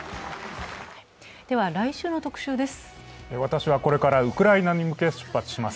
来週の特集です。